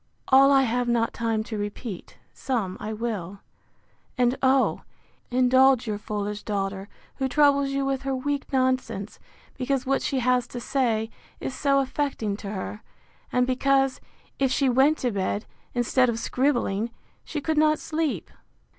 All I have not time to repeat: some I will. And oh! indulge your foolish daughter, who troubles you with her weak nonsense; because what she has to say, is so affecting to her; and because, if she went to bed, instead of scribbling, she could not sleep.